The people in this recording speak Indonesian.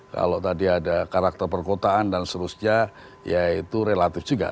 kalau tadi ada karakter perkotaan dan seterusnya ya itu relatif juga